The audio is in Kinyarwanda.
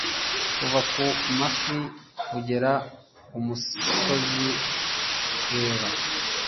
kuva ku mafi kugera kumusozi! reba